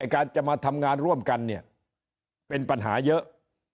การจะมาทำงานร่วมกันเนี่ยเป็นปัญหาเยอะ